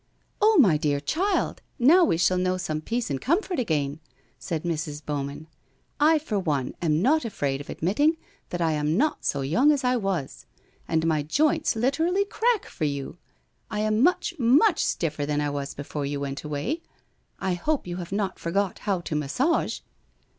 ' Oh, my dear child, now we shall know some peace and comfort again !' said Mrs. Bowman, ' I for one am not afraid of admitting that I am not so young as I was. And my joints literally crack for you. I am much, much stiffer than I was before you went way. I hope you have not forgot how to massage